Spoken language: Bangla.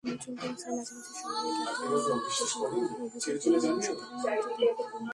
চলতি বছরের মাঝামাঝি সময়ে জ্ঞাত আয়বহির্ভূত সম্পদ অর্জনের অভিযোগ এলে অনুসন্ধানে নামে দুদক।